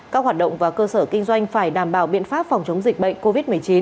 các hoạt động và cơ sở kinh doanh phải đảm bảo biện pháp phòng chống dịch bệnh covid một mươi chín